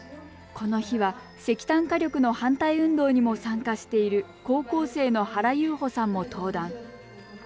この日は、石炭火力の反対運動にも参加している高校生の原有穂さんも登壇。